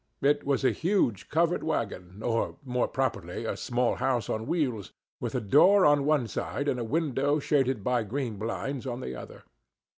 It was a huge covered wagon—or, more properly, a small house on wheels—with a door on one side and a window shaded by green blinds on the other.